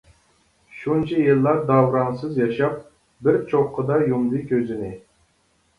شۇنچە يىللار داۋراڭسىز ياشاپ، بىر چوققىدا يۇمدى كۆزىنى.